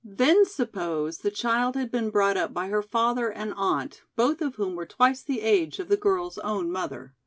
Then suppose the child had been brought up by her father and aunt both of whom were twice the age of the girl's own mother.